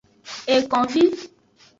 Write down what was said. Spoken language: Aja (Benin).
Ekonvi.